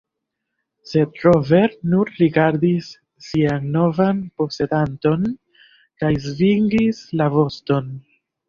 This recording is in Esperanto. Sed Rover nur rigardis sian novan posedanton kaj svingis la voston.